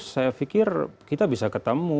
saya pikir kita bisa ketemu